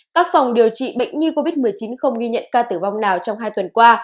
các phòng điều trị bệnh nhi covid một mươi chín không ghi nhận ca tử vong nào trong hai tuần qua